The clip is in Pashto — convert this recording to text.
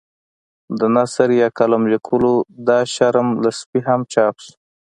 د نثر یا کالم لیکلو دا شرم له سپي هم چاپ شو.